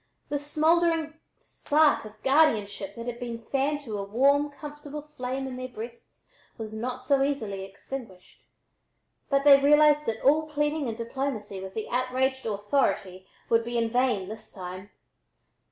The smoldering spark of guardianship that had been fanned to a warm, comfortable flame in their breasts was not so easily extinguished, but they realized that all pleading and diplomacy with the outraged Authority would be in vain this time.